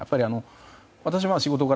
私、仕事柄